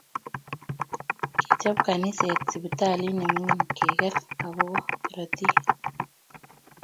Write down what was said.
Kichop kaniset siptalit ne mingin keger akobo karotik